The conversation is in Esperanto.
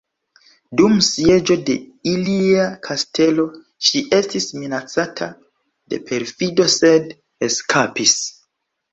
Dum sieĝo de ilia kastelo ŝi estis minacata de perfido sed eskapis.